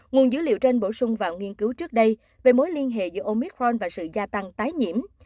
nguồn dữ liệu trên bổ sung vào nghiên cứu trước đây về mối liên hệ giữa omicron và sự gia tăng tái nhiễm